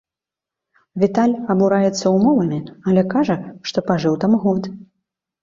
Віталь абураецца ўмовамі, але кажа, што пажыў там год!